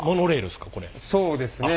そうですね。